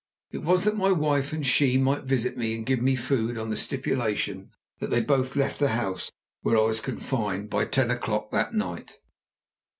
It was that my wife and she might visit me and give me food on the stipulation that they both left the house where I was confined by ten o'clock that night.